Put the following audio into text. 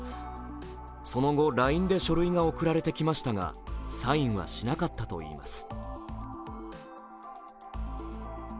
その後、ＬＩＮＥで書類が送られてきましたがサインはしなかったといいます。